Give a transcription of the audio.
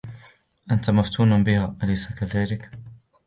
أنتَ مفتونٌ بها أليس كذلك؟